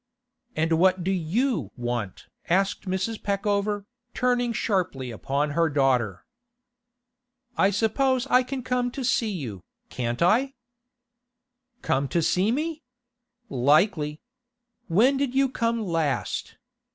'And what do you want?' asked Mrs. Peckover, turning sharply upon her daughter. 'I suppose I can come to see you, can't I?' 'Come to see me! Likely! When did you come last?